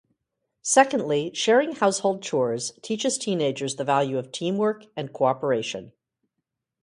Secondly, sharing household chores teaches teenagers the value of teamwork and cooperation.